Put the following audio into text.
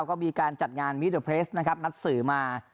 ก็มีการจัดงานมิเตอร์เพลสนะครับนัดสื่อมา